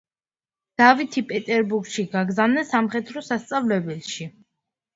დავითი პეტერბურგში გაგზავნეს სამხედრო სასწავლებელში.